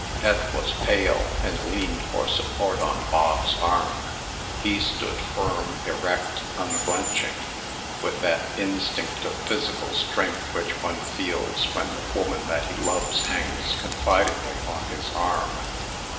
Pet was pale, and leaned for support on Bog's arm. He stood firm, erect, unblenching, with that instinct of physical strength which one feels when the woman that he loves hangs confidingly on his arm.